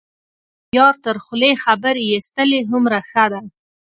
یار تر خولې خبر یستلی هومره ښه ده.